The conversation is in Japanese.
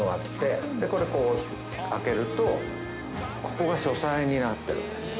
でこれこう開けるとここが書斎になってるんです。